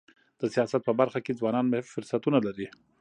د سیاست په برخه کي ځوانان فرصتونه لري.